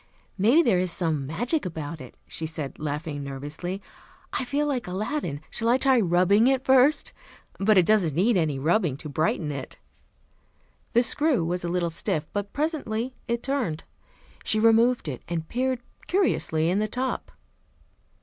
"Maybe there is some magic about it," she said, laughing nervously. "I feel like Aladdin. Shall I try rubbing it first? But it doesn't need any rubbing to brighten it." The screw was a little stiff, but presently it turned. She removed it and peered curiously in the top.